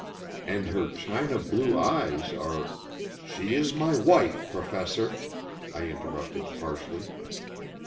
And her china blue eyes are " "She is my wife, Professor," I interrupted harshly.